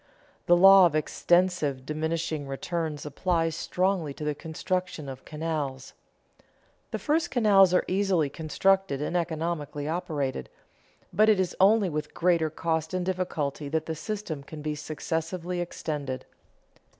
The law of extensive diminishing returns applies strongly to the construction of canals. The first canals are easily constructed and economically operated, but it is only with greater cost and difficulty that the system can be successively extended.